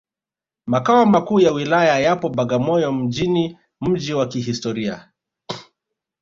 Makao Makuu ya Wilaya yapo Bagamoyo mjini mji wa kihistoria